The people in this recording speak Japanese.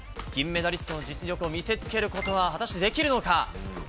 銀メダリストの実力を見せつけることは、果たしてできるのか。